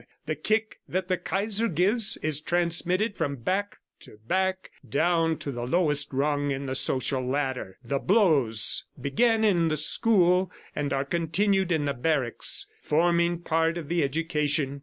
The kick that the Kaiser gives is transmitted from back to back down to the lowest rung of the social ladder. The blows begin in the school and are continued in the barracks, forming part of the education.